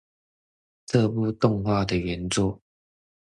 這部動畫的原作